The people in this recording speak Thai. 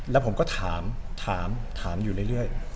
แล้วผมก็ถามถามอยู่เรื่อย